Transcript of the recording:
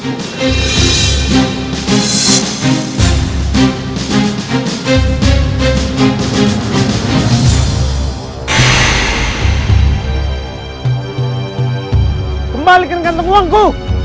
kembalikan kantong uangku